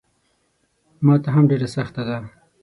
ماته هم ډېره سخته ده.